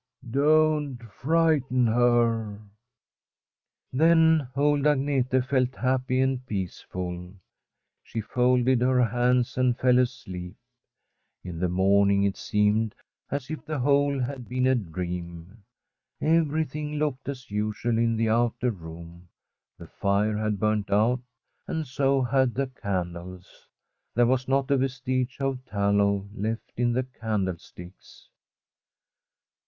don't frighten her !' Then old Agnete felt happy and peaceful. She folded her hands and fell asleep. In the morn ing it seemed as if the whole had been a dream. Everything looked as usual in the outer room ; the fire had burnt out, and so had the candles. There was not a vestige of tallow left in the candlesticks.